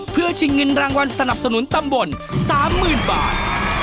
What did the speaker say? เพื่อชิงเงินรางวัลสนับสนุนตำบล๓๐๐๐บาท